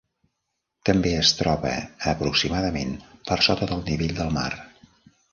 També es troba aproximadament per sota del nivell del mar.